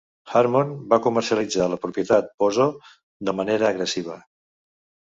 Harmon va comercialitzar la propietat Bozo de manera agressiva.